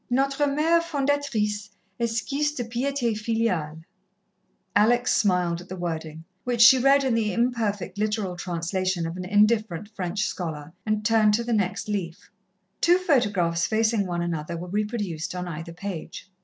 "Notre Mère Fondatrice Esquisse de piété filiale." Alex smiled at the wording, which she read in the imperfect literal translation of an indifferent French scholar, and turned to the next leaf. Two photographs facing one another were reproduced on either page.